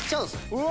うわ！